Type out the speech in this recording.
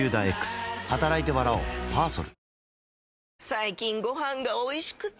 最近ご飯がおいしくて！